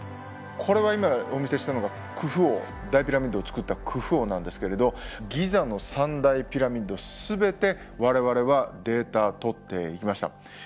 これは今お見せしたのがクフ王大ピラミッドをつくったクフ王なんですけれどギザの３大ピラミッド全て我々はデータとっていきました。